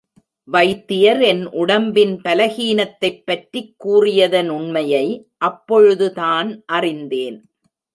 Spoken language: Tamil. வைத்தியர் என் உடம்பின் பலஹீனத்தைப் பற்றிக் கூறியதனுண்மையை அப்பொழுதுதான் அறிந்தேன்!